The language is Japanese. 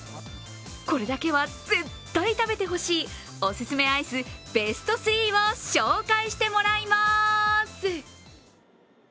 これだけは絶対食べてほしいおすすめアイス、ベスト３を紹介してもらいます。